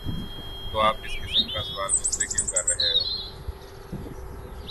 ‘‘''تو آپ اس قسم کا سوال مجھ سے کیوں کر رہے ہیں؟